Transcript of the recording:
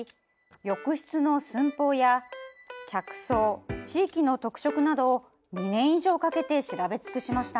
浴室の寸法や客層地域の特色などを２年以上かけて調べ尽くしました。